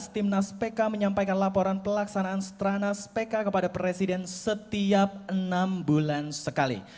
timnas pk menyampaikan laporan pelaksanaan stranas pk kepada presiden setiap enam bulan sekali